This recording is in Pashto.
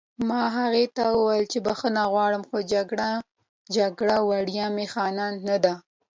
ما هغې ته وویل چې بښنه غواړم خو جګړه وړیا می خانه نه ده